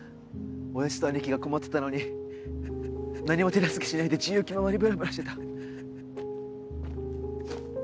親父と兄貴が困ってたのに何も手助けしないで自由気ままにブラブラしてた。